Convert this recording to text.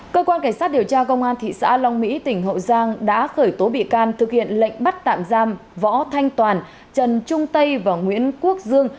cơ quan cảnh sát điều tra công an thị xã long mỹ tỉnh hậu giang đã khởi tố bị can thực hiện lệnh bắt tạm giam võ thanh toàn trần trung tây và nguyễn quốc dương